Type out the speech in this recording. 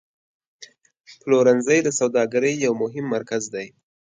پلورنځی د سوداګرۍ یو مهم مرکز دی.